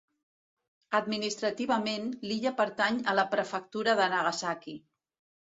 Administrativament, l'illa pertany a la Prefectura de Nagasaki.